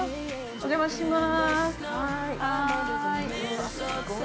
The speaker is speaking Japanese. お邪魔します。